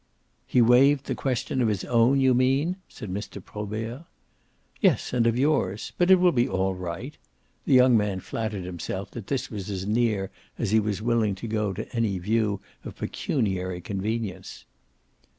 "He waived the question of his own, you mean?" said Mr. Probert. "Yes, and of yours. But it will be all right." The young man flattered himself that this was as near as he was willing to go to any view of pecuniary convenience.